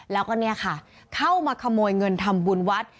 แล้วก็เนี่ยค่ะเข้ามาขโมยเงินทำบุญวัด